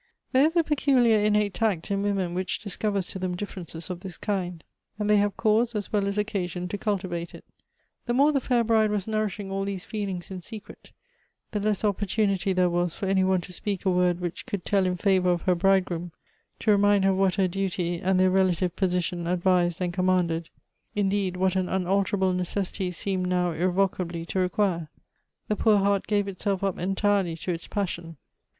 " There is a peculiar innate tact in women which dis covers to them differences of this kind ; and they have cause as well as occasion to cultivate it. " The more the fair bride was nourishing all these feel ' ings in secret, the less opportunity there was for any one to speak a word which could tell in favor of her bride groom, to remind her of what her duty and their relative position advised and commanded — indeed, what nn unalterable necessity seemed now irrevocably to require ; the poor heart gave itself up entirely to its passion.